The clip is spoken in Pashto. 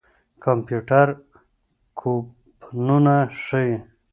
کمپيوټر کوپنونه ښيي.